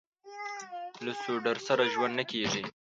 له سوډرسره ژوند نه کېږي.